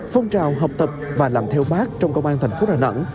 phong trào học tập và làm theo bác trong công an thành phố đà nẵng